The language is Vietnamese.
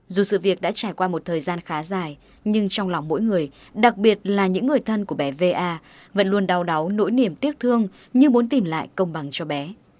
dù sự việc đã trải qua một thời gian khá dài nhưng trong lòng mỗi người đặc biệt là những người thân của bé va vẫn luôn đau đáu nỗi niềm tiếc thương như muốn tìm lại công bằng cho bé